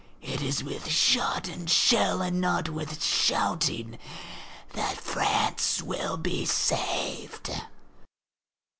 It is with shot and shell and not with shouting that France will be saved.